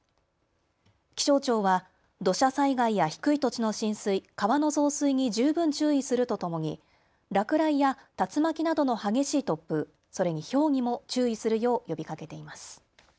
気象庁は土砂災害や低い土地の浸水、川の増水に十分注意するとともに落雷や竜巻などの激しい突風、それにひょうにも注意するよう呼びかけています。